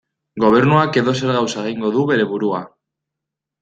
Gobernuak edozer gauza egingo du bere burua.